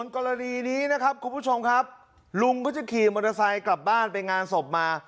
กรณีนี้นะครับคุณผู้ชมครับลุงก็จะขี่มอเตอร์ไซค์กลับบ้านไปงานศพมา